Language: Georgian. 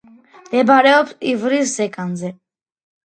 მდებარეობს ივრის ზეგანზე.